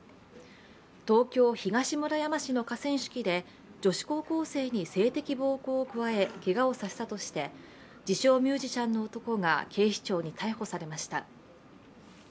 東京・東村山市の河川敷で女子高校生に性的暴行を加え、けがをさせたとして自称・ミュージシャンの男が警視庁に逮捕されました。